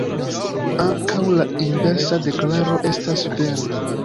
Ankaŭ la inversa deklaro estas vera.